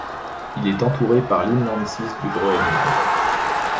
Il est entouré par l'inlandsis du Groenland.